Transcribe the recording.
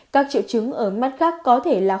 các triệu chứng ở mắt khác có thể là